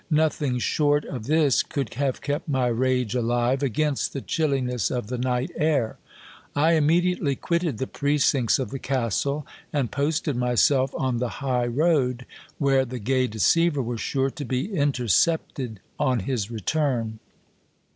Nothing short of this could have kept my rage alive against the chilliness of the night air. I immediately quitted the precincts of the castle, and posted myself on the high road, where the gay deceiver was sure to be intercepted on his return.